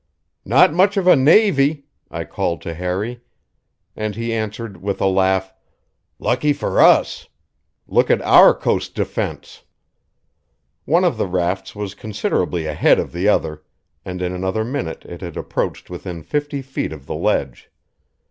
"Not much of a navy," I called to Harry; and he answered, with a laugh: "Lucky for us! Look at our coast defense!" One of the rafts was considerably ahead of the other, and in another minute it had approached within fifty feet of the ledge.